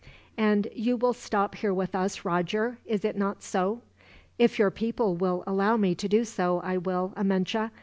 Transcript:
"And you will stop here with us, Roger. Is it not so?" "If your people will allow me to do so, I will, Amenche.